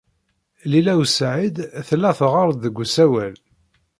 Lila u Saɛid tella teɣɣar-d deg usawal.